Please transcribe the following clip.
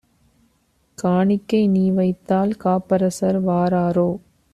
காணிக்கை நீவைத்தால் காப்பரசர் வாராரோ?